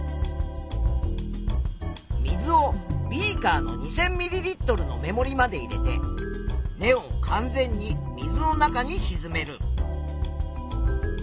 水をビーカーの２，０００ミリリットルの目もりまで入れて根を完全に水の中にしずめる。